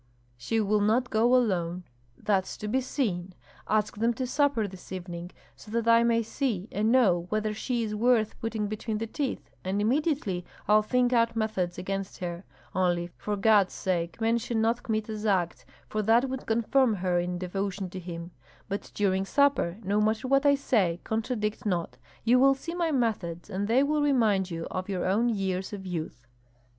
"She will not go alone." "That's to be seen. Ask them to supper this evening, so that I may see and know whether she is worth putting between the teeth, and immediately I'll think out methods against her. Only, for God's sake, mention not Kmita's act, for that would confirm her in devotion to him. But during supper, no matter what I say, contradict not. You will see my methods, and they will remind you of your own years of youth."